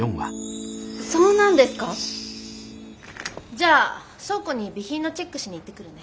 じゃあ倉庫に備品のチェックしに行ってくるね。